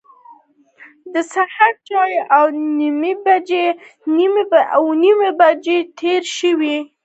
د سهار چای اوه نیمې بجې تیار شوی و.